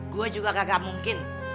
gua juga kagak mungkin